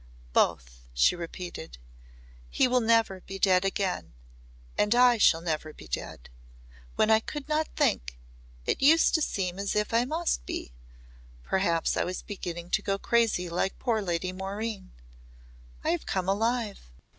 "Both," she repeated. "He will never be dead again. And I shall never be dead. When I could not think, it used to seem as if I must be perhaps I was beginning to go crazy like poor Lady Maureen. I have come alive."